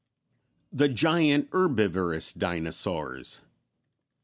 _The Giant Herbivorous Dinosaurs.